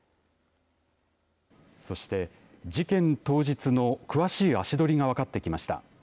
そして、事件当日の詳しい足取りが分かってきました。